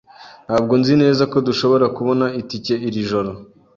Ntabwo nzi neza ko dushobora kubona itike iri joro.